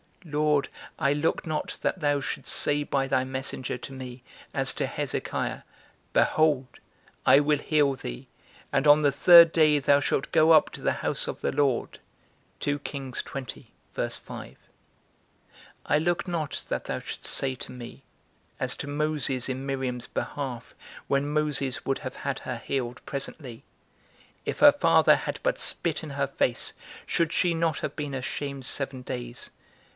Lord, I look not that thou shouldst say by thy messenger to me, as to Hezekiah, Behold, I will heal thee, and on the third day thou shalt go up to the house of the Lord. I look not that thou shouldst say to me, as to Moses in Miriam's behalf, when Moses would have had her healed presently, _If her father had but spit in her face, should she not have been ashamed seven days?